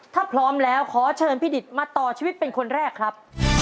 ถ้าพร้อมแล้วขอเชิญพี่ดิตมาต่อชีวิตเป็นคนแรกครับ